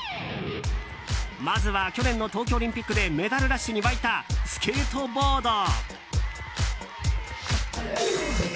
まずは去年の東京オリンピックでメダルラッシュに沸いたスケートボード。